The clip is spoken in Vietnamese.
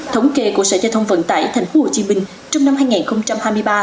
thống kê của sở giao thông vận tải thành phố hồ chí minh trong năm hai nghìn hai mươi ba